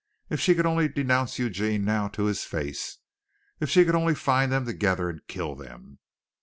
If she could only denounce Eugene now to his face! If she could only find them together and kill them!